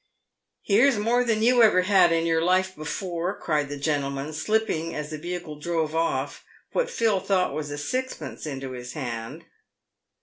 " Here's more than you ever had in your life before," cried the i 114 PAYED WITH GOLD. gentleman, slipping, as the vehicle drove off, what Phil thought was sixpence into his hand.